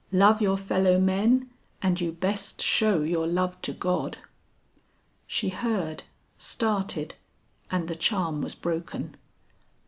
Love your fellow men and you best show your love to God." She heard, started, and the charm was broken.